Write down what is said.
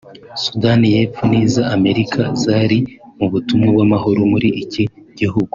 Sudani y’Epfo n’iza Amerika zari mu butumwa bw’amahoro muri iki gihugu